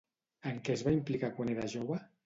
En què es va implicar quan era jove?